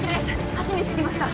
橋に着きました